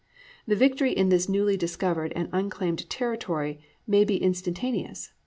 The victory in this newly discovered and unclaimed territory may be instantaneous.